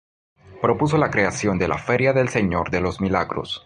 Propuso la creación de la Feria del Señor de los Milagros.